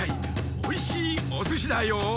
おいしいおすしだよ。